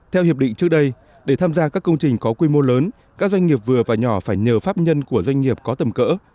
theo hiệp định trước đây để tham gia các công trình có quy mô lớn các doanh nghiệp vừa và nhỏ phải nhờ pháp nhân của doanh nghiệp có tầm cỡ